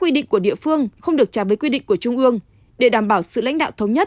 quy định của địa phương không được trả với quy định của trung ương để đảm bảo sự lãnh đạo thống nhất